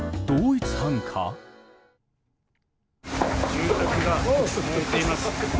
住宅が燃えています。